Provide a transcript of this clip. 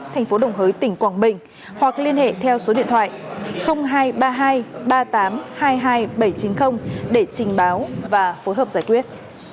thành phố đồng hới tỉnh quảng bình hoặc liên hệ theo số điện thoại hai trăm ba mươi hai ba mươi tám hai mươi hai bảy trăm chín mươi để trình báo và phối hợp giải quyết